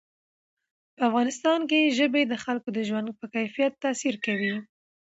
په افغانستان کې ژبې د خلکو د ژوند په کیفیت تاثیر کوي.